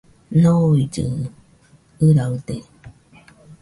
Noillɨɨ ɨraɨde